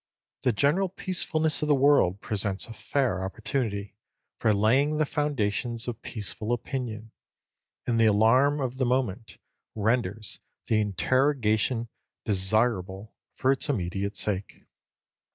The general peacefulness of the world presents a fair opportunity for laying the foundations of peaceful opinion; and the alarm of the moment renders the interrogation desirable for its immediate sake.